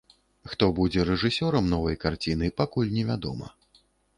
Хто будзе рэжысёрам новай карціны, пакуль невядома.